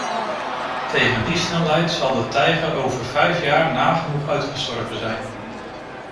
Tegen die snelheid zal de tijger over vijf jaar nagenoeg uitgestorven zijn.